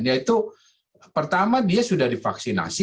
yaitu pertama dia sudah divaksinasi